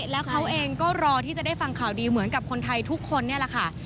แล้วเขาเองก็รอที่จะได้ฟังข่าวดีเหมือนกับคนไทยทุกคนนี่แหละค่ะ